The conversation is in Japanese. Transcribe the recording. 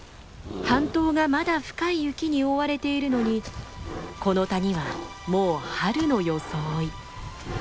半島がまだ深い雪に覆われているのにこの谷はもう春の装い。